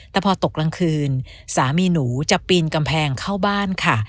แต่พอตกกลางคืนสามีหนูจะปีนกำแพงเข้าบ้านค่ะ